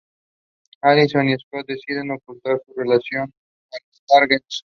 Allison y Scott deciden ocultar su relación a los Argent.